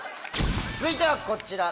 続いてはこちら！